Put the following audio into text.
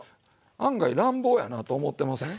案外乱暴やなと思ってません？